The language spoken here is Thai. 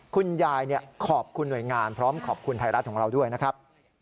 คุณยายขอบคุณหน่วยงานพร้อมขอบคุณไทยรัฐของเราด้วยนะครับ